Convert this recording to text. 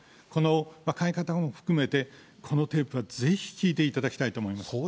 この変え方も含めて、このテープはぜひ聞いていただきたいと思います。